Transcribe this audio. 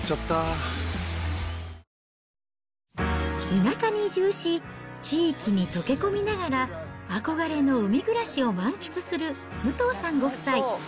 田舎に移住し、地域に溶け込みながら、憧れの海暮らしを満喫する武藤さんご夫妻。